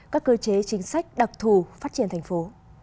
các cơ chế chính sách đặc thù phát triển thành phố